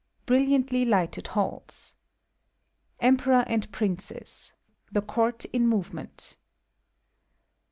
BRILLIANTLY LIGHTED HALLS. Empebor and Princes. The Court in Movement.